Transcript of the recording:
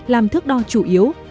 làm thước đo chủ yếu